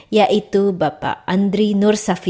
yaitu bapak andri nurman